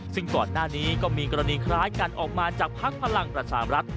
ซึ่งก่อนหน้านี้ก็มีกรณีคล้ายกันออกมาจากภักดิ์พลังประชามรัฐ